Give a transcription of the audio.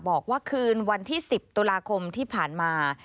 บอกว่าคืนวันที่๑๐ตุลาคมที่ผ่านมา